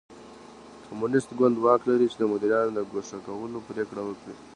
کمونېست ګوند واک لري چې د مدیرانو د ګوښه کولو پرېکړه وکړي.